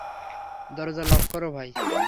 দরজা লক করো, ভাই।